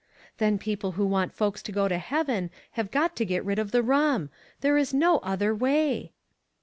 Then people who want folks to go to heaven have got to get rid of the rum. There is no other way."